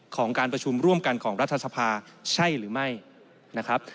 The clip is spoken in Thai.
ของการประชุมร่วมกันของรัฐสภาใช่หรือไม่นะครับ